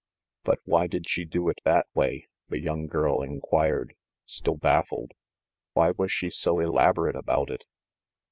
"But why did she do it that way?" the young girl inquired, still baffled. "Why was she so elaborate about it?"